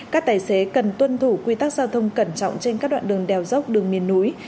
các tài xế cần tuân thủ quy tắc giao thông cẩn trọng trên các đoạn đường đèo dốc đường miền núi